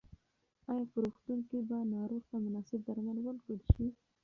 ایا په روغتون کې به ناروغ ته مناسب درمل ورکړل شي؟